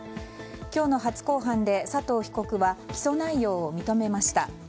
今日の初公判で、佐藤被告は起訴内容を認めました。